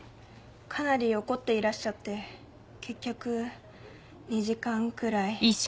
⁉かなり怒っていらっしゃって結局２時間くらい。